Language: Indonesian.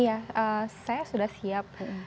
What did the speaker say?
iya saya sudah siap